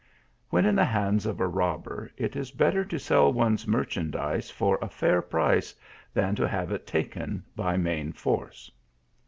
When in the hands of a robber, it is better to sell one s merchandise for a fair price, than to have it taken by main force."